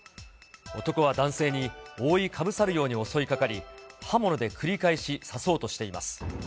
男は男性に覆いかぶさるように襲いかかり、刃物で繰り返し刺そうとしています。